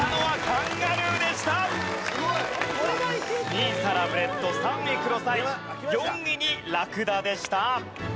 ２位サラブレッド３位クロサイ４位にラクダでした。